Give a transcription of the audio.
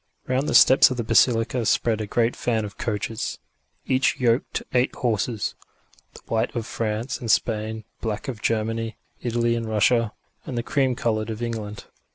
Round the steps of the basilica spread a great fan of coaches, each yoked to eight horses the white of France and Spain, the black of Germany, Italy and Russia, and the cream coloured of England.